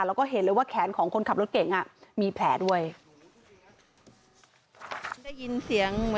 แล้วก็เห็นเลยว่าแขนของคนขับรถเก่งมีแผลด้วย